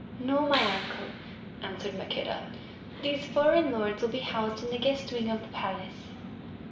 "No, my uncle," answered Maqueda; "these foreign lords will be housed in the guest wing of the palace."